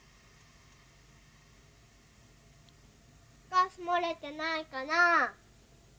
ガスもれてないかなぁ。